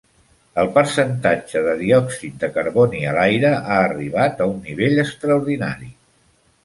El percentatge de diòxid de carboni a l'aire ha arribat a un nivell extraordinari.